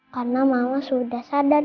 karena mama sudah sadar